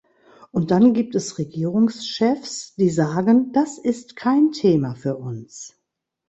Und dann gibt es Regierungschefs, die sagen "Das ist kein Thema für uns".